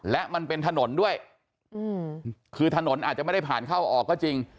และมันเป็นถนนด้วยคือถนนอาจจะไม่ได้ผ่านเข้าออกก็จริง